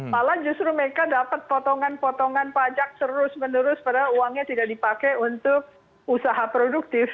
malah justru mereka dapat potongan potongan pajak terus menerus padahal uangnya tidak dipakai untuk usaha produktif